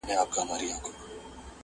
ما خو پرېږده نن رویبار په وینو ژاړي؛